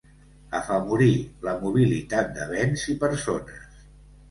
Afavorir la mobilitat de béns i persones.